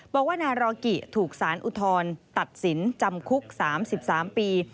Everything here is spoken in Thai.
บอกว่านารอกิถูกสารอุทธรณ์ตัดสินจำคุก๓๓ปี